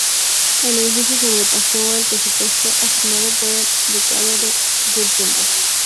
El edificio sobrepasó el presupuesto asignado por el Ducado de Wurtemberg.